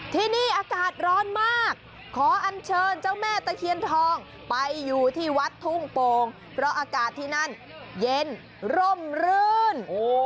ที่นี่อากาศร้อนมากขออันเชิญเจ้าแม่ตะเคียนทองไปอยู่ที่วัดทุ่งโป่งเพราะอากาศที่นั่นเย็นร่มรื่น